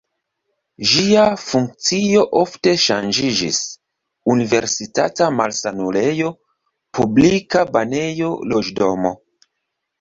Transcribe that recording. Ĝia funkcio ofte ŝanĝiĝis: universitata malsanulejo, publika banejo, loĝdomo.